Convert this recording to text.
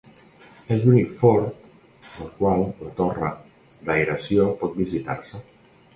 És l'únic fort del qual la torre d'aeració pot visitar-se.